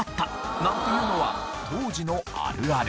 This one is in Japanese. なんていうのは当時のあるある。